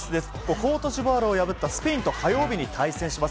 コートジボワールを破ったスペインと火曜日に対戦します。